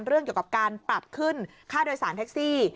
เรื่องเกี่ยวกับการปรับขึ้นค่าโดยสารแท็กซี่